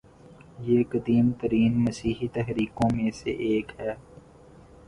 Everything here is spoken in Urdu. یہ قدیم ترین مسیحی تحریکوں میں سے ایک ہے